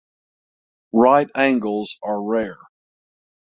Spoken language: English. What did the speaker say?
Right angles are rare.